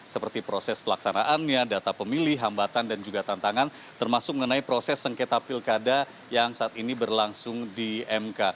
seperti proses pelaksanaannya data pemilih hambatan dan juga tantangan termasuk mengenai proses sengketa pilkada yang saat ini berlangsung di mk